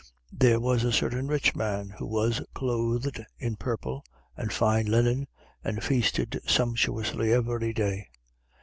16:19. There was a certain rich man who was clothed in purple and fine linen and feasted sumptuously every day.